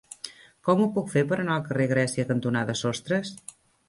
Com ho puc fer per anar al carrer Grècia cantonada Sostres?